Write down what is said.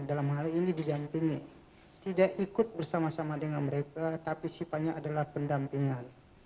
dalam hal ini didampingi tidak ikut bersama sama dengan mereka tapi sifatnya adalah pendampingan